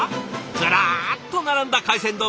ずらっと並んだ海鮮丼。